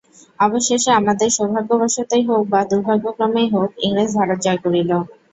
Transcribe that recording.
অবশেষে আমাদের সৌভাগ্যবশতই হউক বা দুর্ভাগ্যক্রমেই হউক, ইংরেজ ভারত জয় করিল।